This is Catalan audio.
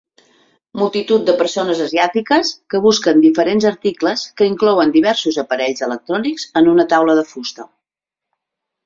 Multitud de persones asiàtiques que busquen diferents articles que inclouen diversos aparells electrònics en una taula de fusta.